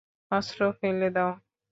অস্ত্র ফেলে দাও।